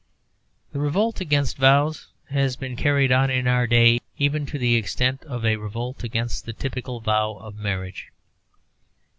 The revolt against vows has been carried in our day even to the extent of a revolt against the typical vow of marriage.